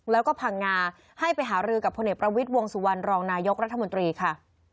แล้วก็พังงาให้ไปหารือกับพลเอกประวิทย์วงสุวรรณรองนายกรัฐมนตรีค่ะ